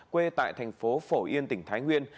quê tại thành phố phổ yên tỉnh thái nguyên